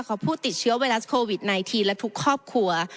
ผู้ติดเชื้อไวรัสโควิด๑๙และทุกครอบครัว